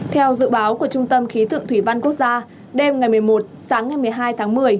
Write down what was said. theo dự báo của trung tâm khí tượng thủy văn quốc gia đêm ngày một mươi một sáng ngày một mươi hai tháng một mươi